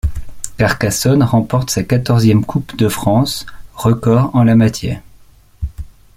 Carcassonne remporte sa quatorzième Coupe de France, record en la matière.